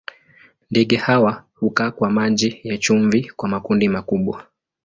Ndege hawa hukaa kwa maji ya chumvi kwa makundi makubwa.